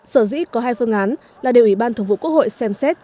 sở dĩ có hai phương án là đều ủy ban thường vụ quốc hội xem xét